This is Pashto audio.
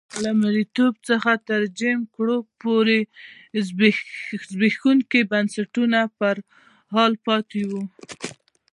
له مریتوب څخه تر جیم کرو پورې زبېښونکي بنسټونه په حال پاتې وو.